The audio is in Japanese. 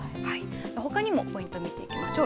ほかにもポイント見ていきましょう。